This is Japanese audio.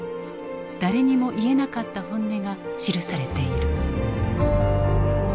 誰にも言えなかった本音が記されている。